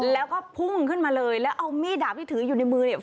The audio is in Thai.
แล้วก็พุ่งขึ้นมาเลยแล้วเอามีดดาบที่ถืออยู่ในมือเนี่ย